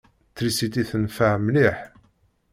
Trisiti tenfeɛ mliḥ.